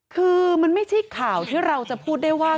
คือมันไม่ใช่ข่าวที่เราจะพูดได้ว่า